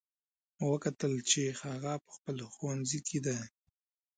ما وکتل چې هغه په خپل ښوونځي کې ده